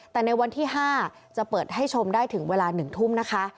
แต่ในวันที่๕จะเปิดให้ชมได้ถึงเวลา๑ทุ่มนะคะ